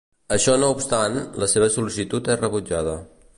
Això no obstant, la seva sol·licitud és rebutjada.